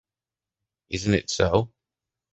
Isn’t it so?